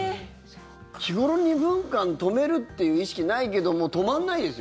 日頃、２分間止めるっていう意識ないけども止まらないですよ。